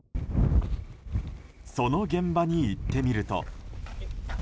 その現場に行ってみると。